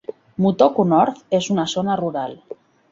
Mutoko North és una zona rural.